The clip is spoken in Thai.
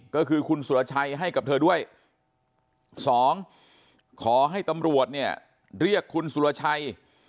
ก็คือคุณสุรชัยให้กับเธอด้วยสองขอให้ตำรวจเนี่ยเรียกคุณสุรชัย